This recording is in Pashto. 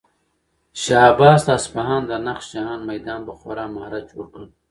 شاه عباس د اصفهان د نقش جهان میدان په خورا مهارت جوړ کړ.